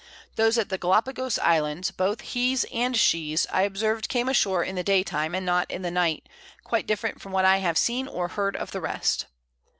Those at the Gallapagos Islands, both He's and She's, I observed came ashore in the Day time, and not in the Night, quite different from what I have seen or heard of the rest.